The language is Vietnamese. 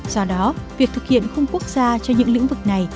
do đó việc thực hiện khung quốc gia cho những lĩnh vực này